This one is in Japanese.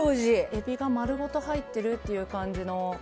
エビがまるごと入ってるっていう感じの。